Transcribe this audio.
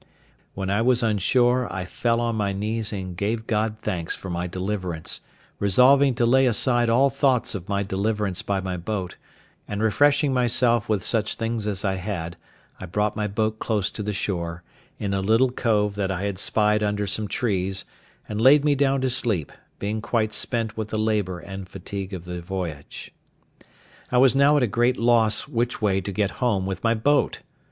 When I was on shore, God I fell on my knees and gave God thanks for my deliverance, resolving to lay aside all thoughts of my deliverance by my boat; and refreshing myself with such things as I had, I brought my boat close to the shore, in a little cove that I had spied under some trees, and laid me down to sleep, being quite spent with the labour and fatigue of the voyage. I was now at a great loss which way to get home with my boat!